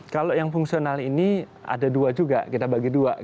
kalau yang fungsional ini ada dua juga kita bagi dua